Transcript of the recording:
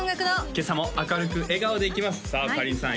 今朝も明るく笑顔でいきますさあかりんさん